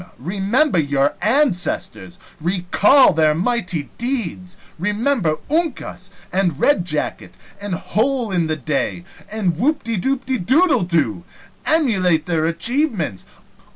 Remember your ancestors! Recall their mighty deeds! Remember Uncas! and Red jacket! and Hole in the Day! and Whoopdedoodledo! Emulate their achievements!